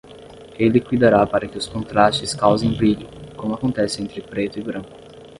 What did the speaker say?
Ele cuidará para que os contrastes causem brilho, como acontece entre preto e branco.